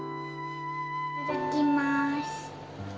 いただきます。